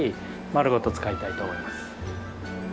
丸ごと使いたいと思います。